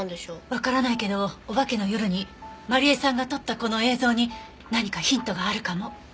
わからないけどお化けの夜にまり枝さんが撮ったこの映像に何かヒントがあるかも。